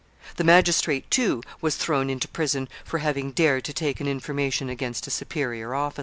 The magistrate, too, was thrown into prison for having dared to take an information against a superior officer.